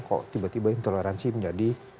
kok tiba tiba intoleransi menjadi